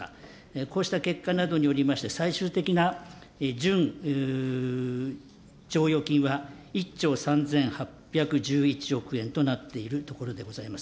こうした結果などによりまして、最終的なじゅん剰余金は１兆３８１１億円となっているところでございます。